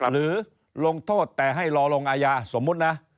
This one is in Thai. หรือลงโทษแต่ให้รอลงอาญาสมมุตินะ